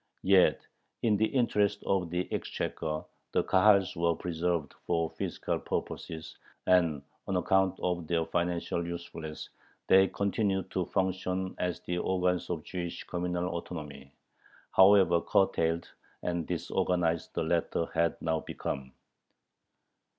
Yet, in the interest of the exchequer, the Kahals were preserved for fiscal purposes, and, on account of their financial usefulness, they continued to function as the organs of Jewish communal autonomy, however curtailed and disorganized the latter had now become.